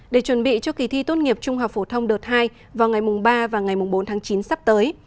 để chuẩn bị cho kỳ thi tốt nghiệp trung học phổ thông đợt hai vào ngày ba và ngày bốn tháng chín sắp tới